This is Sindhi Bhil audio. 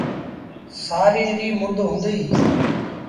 سآريٚݩ ريٚ مند هُݩديٚ۔